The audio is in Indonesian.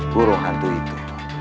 guru hantu itu